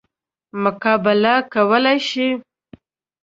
مقابله کولای شي.